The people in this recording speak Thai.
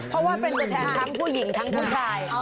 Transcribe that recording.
เพราะว่าเป็นตัวแทนทั้งผู้หญิงทั้งผู้ชาย